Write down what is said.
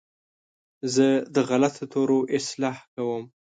زه د غلطو تورو اصلاح کوم.